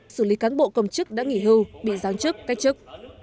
xử lý cán bộ công chức đã nghỉ hưu bị giáng chức cách chức